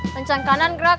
pencang kanan gerak